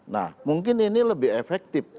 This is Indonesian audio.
nah mungkin ini lebih efektif